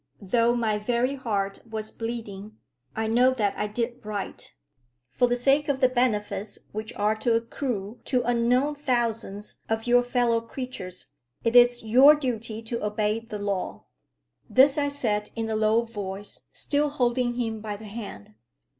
Though my very heart was bleeding, I know that I did right. "For the sake of the benefits which are to accrue to unknown thousands of your fellow creatures, it is your duty to obey the law." This I said in a low voice, still holding him by the hand.